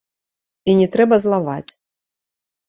І не трэба злаваць.